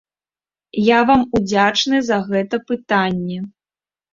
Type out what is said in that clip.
Я вам удзячны за гэта пытанне.